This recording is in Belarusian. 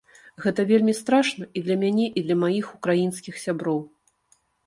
Гэта вельмі страшна, і для мяне, і для маіх украінскіх сяброў.